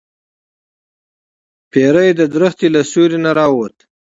پیری د درخت له سوری نه راووت.